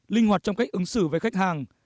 linh hoạt trong cách ứng xử với khách hàng